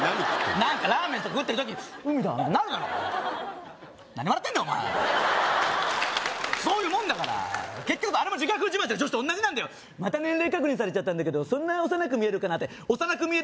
何かラーメンとか食ってる時「海だ」ってないだろ何笑ってんだお前そういうもんだから結局あれも自虐風自慢してる女子と同じなんだよまた年齢確認されちゃったんだけどそんな幼く見えるかなって幼く見える